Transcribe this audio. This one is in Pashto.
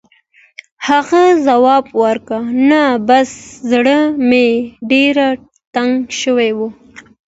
هغه ځواب ورکړ: «نه، بس زړه مې ډېر تنګ شوی و.